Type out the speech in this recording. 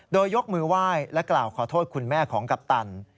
โดยยกมือไหว้และกล่าวขอโทษคุณแม่ของกัปตัน